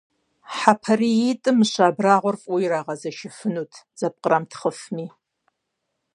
ХьэпариитӀым мыщэ абрагъуэр фӀыуэ ирагъэзэшыфынут, зэпкърамытхъыфми.